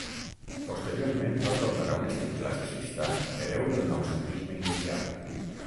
Posteriorment va tornar a un estil classicista hereu del noucentisme inicial.